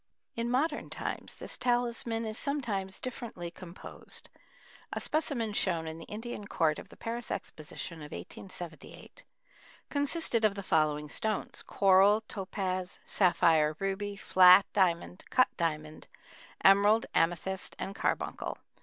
In modern times this talisman is sometimes differently composed. A specimen shown in the Indian Court of the Paris Exposition of 1878 consisted of the following stones: coral, topaz, sapphire, ruby, flat diamond, cut diamond, emerald, amethyst, and carbuncle.